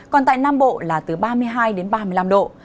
còn tại nam bộ là từ ba mươi hai đến ba mươi năm độ